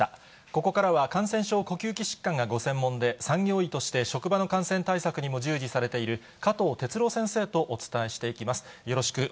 ここからは感染症、呼吸器疾患がご専門で、産業医として職場の感染対策にも従事されている、加藤哲朗先生とお伝えしていきます。